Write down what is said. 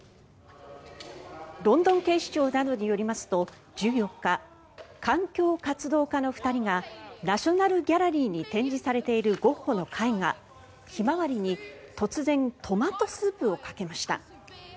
ロンドン警視庁などによりますと１４日、環境活動家の２人がナショナル・ギャラリーに展示されているゴッホの絵画「ひまわり」に突然トマトスープをかけました。